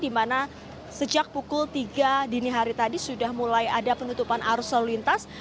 di mana sejak pukul tiga dini hari tadi sudah mulai ada penutupan arus lalu lintas